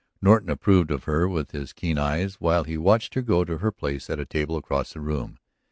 Norton approved of her with his keen eyes while he watched her go to her place at a table across the room.